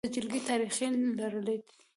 د جلکې تاریخې لرلید: